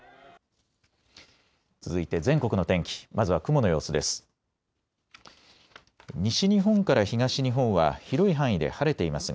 続いて全国の天気、まずは雲の様子です。